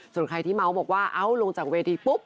ส่วนใครที่เมาส์บอกว่าเอ้าลงจากเวทีปุ๊บ